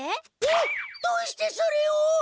えっどうしてそれを！？